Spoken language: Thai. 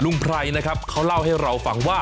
ไพรนะครับเขาเล่าให้เราฟังว่า